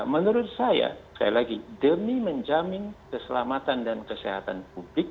menurut saya sekali lagi demi menjamin keselamatan dan kesehatan publik